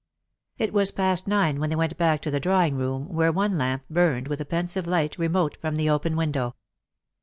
It was past nine when they went back to the drawing room, where one lamp burned with a pensive light remote from the open window.